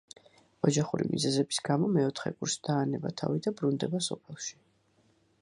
ოჯახური მიზეზების გამო მეოთხე კურს დაანება თავი და ბრუნდება სოფელში.